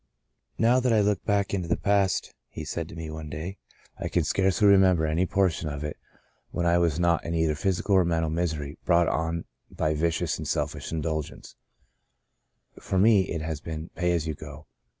" Now that I look back into the past," he said to me one day, *' I can scarcely remem ber any portion of it when I was not in either physical or mental misery brought on by vicious and selfish indulgences. For me it has been * pay as you go.'